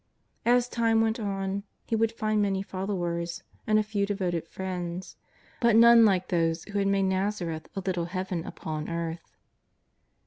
As time went on He would find many followers and a few devoted friends, but none like those who had made l^azareth a little Heaven upon earth.